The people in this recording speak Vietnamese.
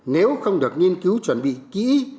nếu không được nghiên cứu chuẩn bị kỹ